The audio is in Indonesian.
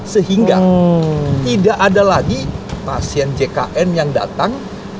sehingga tidak ada lagi pasien jkn yang datang